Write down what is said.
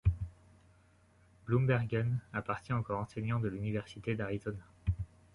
Bloembergen appartient au corps enseignant de l'université d'Arizona.